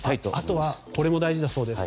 あとはこれも大事だそうです。